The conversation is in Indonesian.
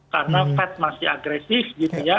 karena fed masih agresif gitu ya